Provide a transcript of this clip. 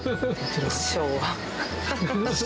昭和。